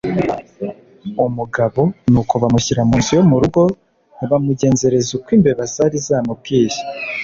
umugabo Nuko bamushyira mu nzu yo mu rugo bamugenzereza uko imbeba zari zamubwiye